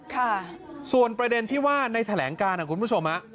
ค่ะส่วนประเด็นที่ว่าในแถลงการอ่ะคุณผู้ชมฮะ